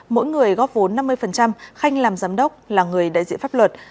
mỗi người góp vốn năm mươi khanh làm giám đốc là người đại diện pháp luật